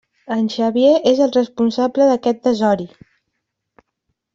En Xavier és el responsable d'aquest desori!